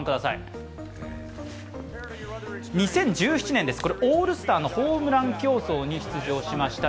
２０１７年、オールスターのホームラン競争に出場しました